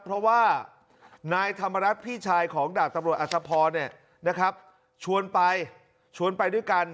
เพราะว่านายธรรมรัฐพี่ชายของดาบตำรวจอัศพรชวนไปชวนไปด้วยกัน